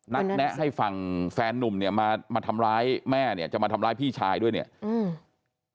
แนะให้ฝั่งแฟนนุ่มเนี้ยมามาทำร้ายแม่เนี่ยจะมาทำร้ายพี่ชายด้วยเนี่ยอืม